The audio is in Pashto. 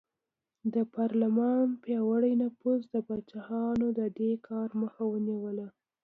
د پارلمان پیاوړي نفوذ د پاچاهانو د دې کار مخه ونیوله.